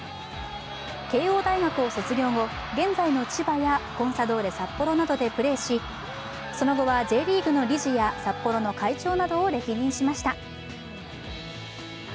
慶応大学を卒業後、現在の千葉やコンサドーレ札幌などでプレーしその後は、Ｊリーグの理事や札幌の会長などを歴任しました。